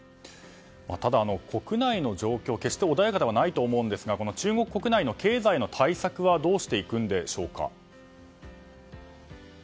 ただ、国内の状況、決して穏やかではないと思うんですが中国国内の経済対策はどうしていくんでしょうか。